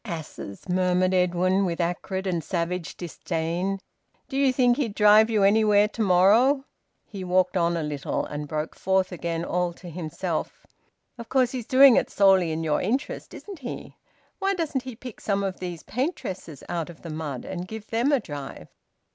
"Asses!" murmured Edwin, with acrid and savage disdain. "Do you think he'd drive you anywhere to morrow?" He walked on a little, and broke forth again, all to himself: "Of course he's doing it solely in your interest, isn't he? Why doesn't he pick some of these paintresses out of the mud and give them a drive?"